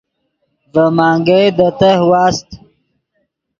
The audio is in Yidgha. ڤے منگئے دے تہہ واست